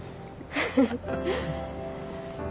フフフ！